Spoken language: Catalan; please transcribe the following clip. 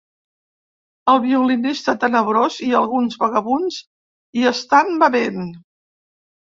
El Violinista Tenebrós i alguns vagabunds hi estan bevent.